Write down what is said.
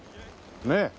ねえ。